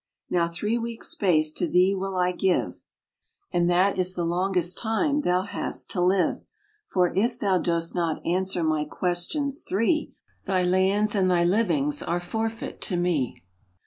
"Now three weeks' space to thee will I give, And that is the longest time thou hast to live; For if thou dost not answer my questions three, Thy lands and thy livings are forfeit to me."